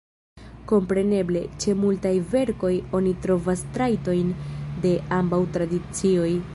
Kompreneble, ĉe multaj verkoj oni trovas trajtojn de ambaŭ tradicioj.